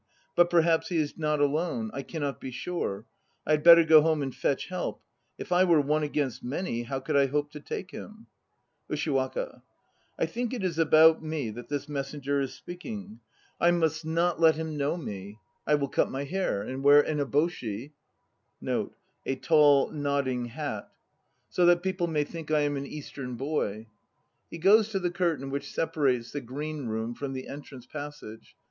But perhaps he is not alone. I cannot be sure. I had better go home and fetch help, for if I were one against many, how could I hope to take him? USHIWAKA. I think it is about me that this messenger is speaking. I must not 1 Semimaru. YOUNG M\ K EBOSHIORI 71 let him know me. I will cut my hair and wear an eboshi, 1 so that people may think I am an Eastern boy. (He goes to the curtain which separates the green room from the entrance passage.